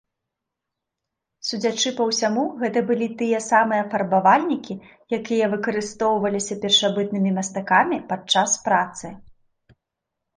Судзячы па ўсяму гэта былі тыя самыя фарбавальнікі, якія выкарыстоўваліся першабытнымі мастакамі падчас працы.